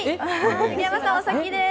杉山さんお先です。